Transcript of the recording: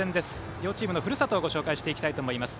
両チームのふるさとをご紹介していきたいと思います。